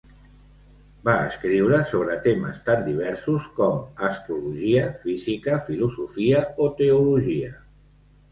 Va escriure sobre temes tan diversos com astrologia, física, filosofia o teologia.